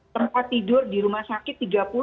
tempat tidur di rumah sakit